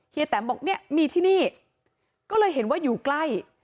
แตมบอกเนี่ยมีที่นี่ก็เลยเห็นว่าอยู่ใกล้